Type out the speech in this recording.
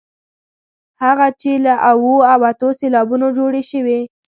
هغه چې له اوو او اتو سېلابونو جوړې شوې.